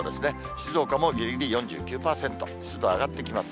静岡もぎりぎり４９％、湿度上がってきます。